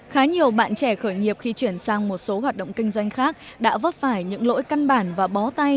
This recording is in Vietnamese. khá nhiều bạn trẻ khởi nghiệp khi chuyển sang một số hoạt động kinh doanh khác đã vấp phải những lỗi căn bản và bó tay